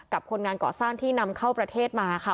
คนงานก่อสร้างที่นำเข้าประเทศมาค่ะ